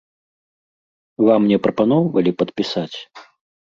Вам не прапаноўвалі падпісаць?